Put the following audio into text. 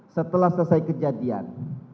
setelah selesai kejadian